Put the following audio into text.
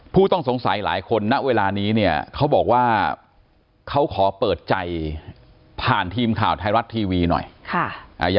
ผู้ต้องสงสัยหลายคนณเวลานี้เนี่ยเขาบอกว่าเขาขอเปิดใจผ่านทีมข่าวไทยรัฐทีวีหน่อยค่ะ